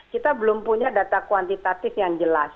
kita belum punya data kuantitatif yang jelas